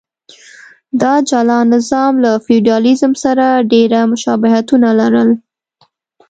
دا جلا نظام له فیوډالېزم سره ډېر مشابهتونه لرل.